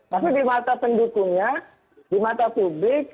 tapi di mata pendukungnya di mata publik